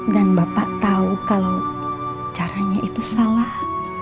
dan bapak tau kalau caranya itu salah